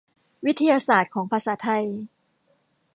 วิทยาศาสตร์ของภาษาไทย